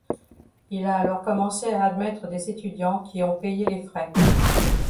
Il a alors commencé à admettre des étudiants qui ont payé les frais.